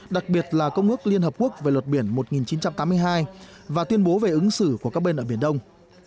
đặc biệt là công ước liên hợp quốc về luật biển một nghìn chín trăm tám mươi hai và tuyên bố về ứng xử của các bên ở biển đông